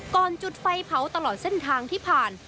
จุดไฟเผาตลอดเส้นทางที่ผ่าน